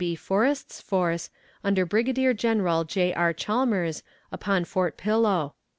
B. Forrest's force, under Brigadier General J. R. Chalmers, upon Fort Pillow.